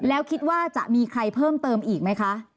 แล้วคิดว่าจะมีใครเพิ่มเติมอีกไหมคะ